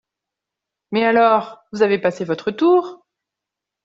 Mais alors, vous avez passé votre tour !